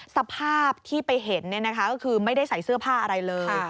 สภาพที่ไปเห็นก็คือไม่ได้ใส่เสื้อผ้าอะไรเลย